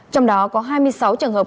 trong đó có hai mươi sáu trường hợp